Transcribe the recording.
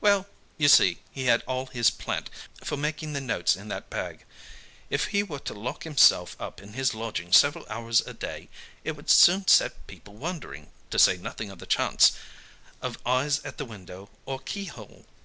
"Well, you see, he had all his plant for making the notes in that bag. If he were to lock himself up in his lodging several hours a day it would soon set people wondering, to say nothing of the chance of eyes at the window or key hole.